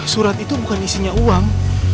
surat itu bukan isinya uang